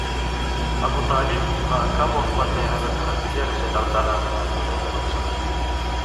ابو طالب آں کم وخ پتَیں حضرت خدیجہ رض دُنَیں نہ رخصت ہُون٘د۔